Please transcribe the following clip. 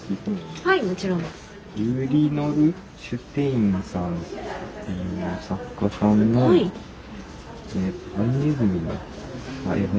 はいもちろんです。